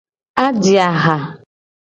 Aje aha.